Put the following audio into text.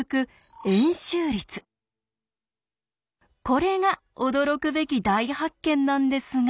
これが驚くべき大発見なんですが。